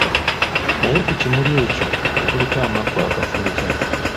Naye ku kimuli ekyo kuliko amaggwa agafumita.